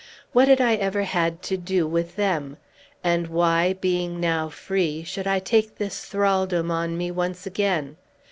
What had I ever had to do with them? And why, being now free, should I take this thraldom on me once again?